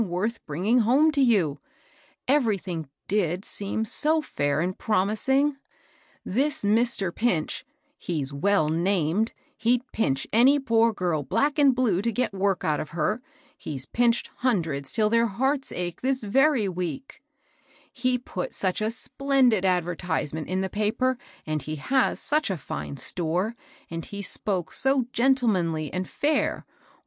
365 worth bringing home to you I — everything did seem so fair and promising I — this Mr. Pinch (he*s well named, he'd pinch any poor girl black and blue to get work out of her; he's pinched hundreds till thfeir hearts ache, this very week I), he put such a splendid advertisement in the paper ; and he has such a fine store; and he spoke so gentlemanly and fidr!